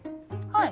はい。